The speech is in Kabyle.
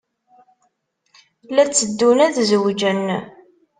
La tteddun ad zewǧen.